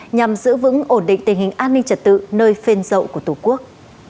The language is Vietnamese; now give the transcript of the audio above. nhằm giữ vững ổn định tình hình an ninh trật tự nơi phên dậu của tổ quốc